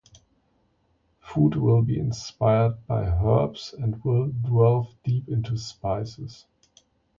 Food will still be inspired by herbs, and will delve deep into spices.